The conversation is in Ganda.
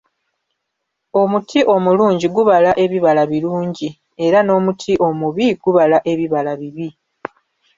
Omuti omulungi gubala ebibala birungi, era n'omuti omubi gubala ebibala bibi.